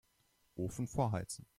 Ofen vorheizen.